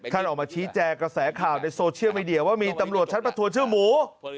ออกมาชี้แจงกระแสข่าวในโซเชียลมีเดียว่ามีตำรวจชั้นประทวนชื่อหมู